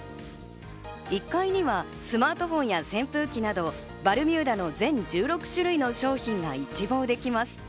１階にはスマートフォンや扇風機などバルミューダの全１６種類の商品が一望できます。